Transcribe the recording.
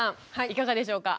いかがでしょうか？